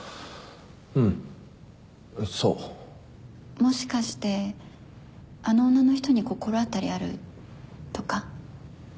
もしかしてあの女の人に心当たりあるとか。